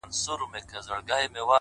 • چي یوه ورځ په حادثه کي مرمه ,